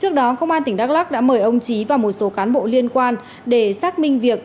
trước đó công an tỉnh đắk lắc đã mời ông trí và một số cán bộ liên quan để xác minh việc